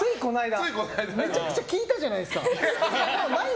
めちゃくちゃ聞いたじゃないですか。